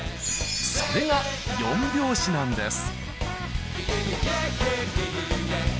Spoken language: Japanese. それが４拍子なんです。